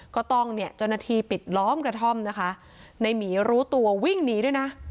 ก็ต้องเนี่ยเจ้าหน้าที่ปิดล้อมกระท่อมนะคะในหมีรู้ตัววิ่งหนีด้วยนะ